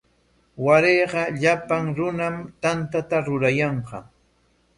Warayqa llapan runam tantata rurayanqa.